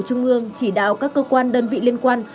trung ương chỉ đạo các cơ quan đơn vị liên quan